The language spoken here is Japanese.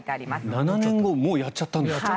７年後をもうやっちゃったんですよ。